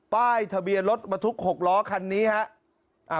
ป้ายทะเบียนรถบรรทุก๖ล้อคันนี้ครับ